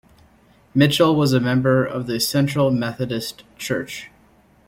Mitchell was a member of the Central Methodist Church.